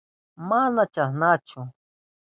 Mana chasnachu.